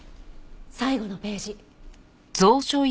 最後のページ。